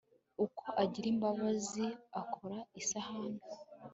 Ukwo agira imbabazi akora isahanii